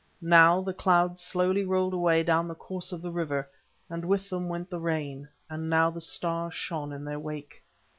Now the clouds slowly rolled away down the course of the river, and with them went the rain; and now the stars shone in their wake.